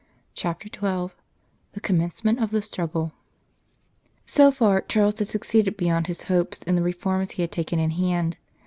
CHAPTER XII THE COMMENCEMENT OF THE STRUGGLE So far Charles had succeeded beyond his hopes in the reforms he had taken in hand.